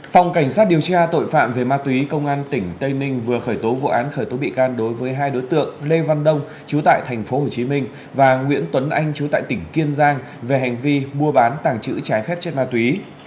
phòng cảnh sát điều tra tội phạm về ma túy công an tỉnh tây ninh vừa khởi tố vụ án khởi tố bị can đối với hai đối tượng lê văn đông chú tại tp hcm và nguyễn tuấn anh chú tại tỉnh kiên giang về hành vi mua bán tàng chữ trái phép chất ma túy